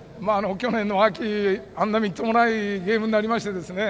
去年の秋あんなみっともないゲームになりまして。